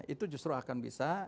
itu justru akan bisa